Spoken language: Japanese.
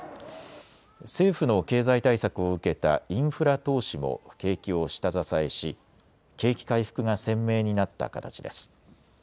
政府の経済対策を受けたインフラ投資も景気を下支えし景気回復が鮮明になった形です。